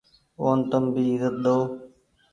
اون تم ڀي ايزت ۮئو۔